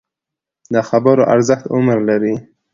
د خبرو ارزښت عمر لري